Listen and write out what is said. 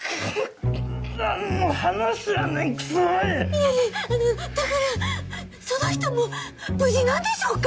いやいやあのだからその人も無事なんでしょうか？